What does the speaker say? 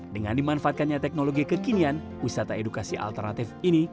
dengan dimanfaatkannya teknologi kekinian wisata edukasi alternatif ini